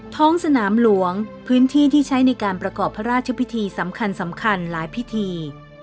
ท้องสนามหลวงพื้นที่ที่ใช้ในการประกอบพระราชพิธีสำคัญสำคัญหลายพิธี